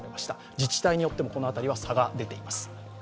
自治体によってもこの辺りは差が出ています。